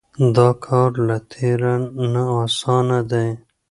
دا کار له تېر نه اسانه دی.